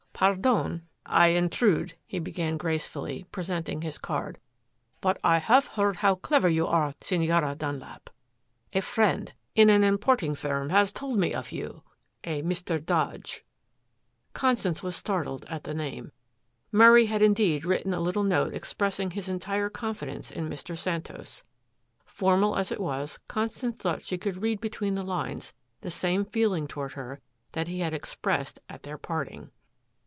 "Pardon I intrude," he began gracefully, presenting his card. "But I have heard how clever you are, Senora Dunlap. A friend, in an importing firm, has told me of you, a Mr. Dodge." Constance was startled at the name. Murray had indeed written a little note expressing his entire confidence in Mr. Santos. Formal as it was, Constance thought she could read between the lines the same feeling toward her that he had expressed at their parting.